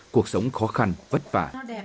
cuộc sống khó khăn vất vả